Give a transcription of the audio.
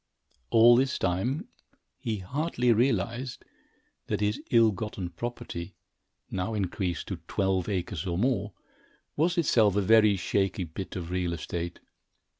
All this time, he hardly realized that his ill gotten property, now increased to twelve acres or more, was itself a very shaky bit of real estate.